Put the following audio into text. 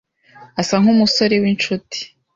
asa nkumusore winshuti.